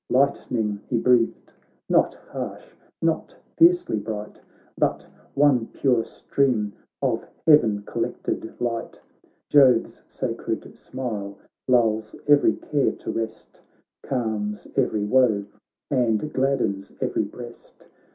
Lightning he breathed, not harsh, not fiercely bright. But one pure stream of heaven collected light : Jove's sacred smile lulls every care to rest, Calms every woe, and gladdens every breast.